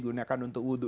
gunakan untuk wudu